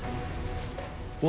うわ。